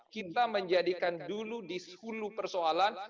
kita menjadikan dulu di sepuluh persoalan